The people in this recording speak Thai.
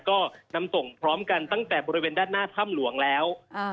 ก็นำส่งพร้อมกันตั้งแต่บริเวณด้านหน้าถ้ำหลวงแล้ว